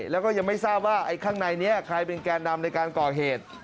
แล้วก็ยังไม่ทราบว่าไอ้ข้างในนี้ใครเป็นแกนนำในการก่อเหตุ